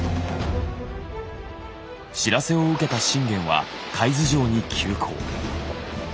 知らせを受けた信玄は海津城に急行。